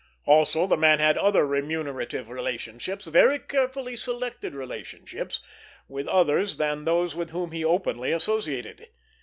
Also, the man had other remunerative relationships, very carefully selected relationships, with others than those with whom he openly associated.